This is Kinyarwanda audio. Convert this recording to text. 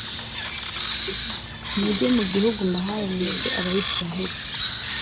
mujye mu gihugu mbahaye, mwebwe abayisraheli.